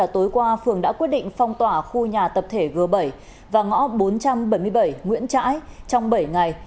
tối qua phường đã quyết định phong tỏa khu nhà tập thể g bảy và ngõ bốn trăm bảy mươi bảy nguyễn trãi trong bảy ngày